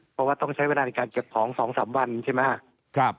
เพราะว่าต้องใช้เวลาในการเก็บของ๒๓วันใช่ไหมครับ